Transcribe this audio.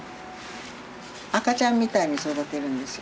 赤ちゃんみたいに育てるんですよ。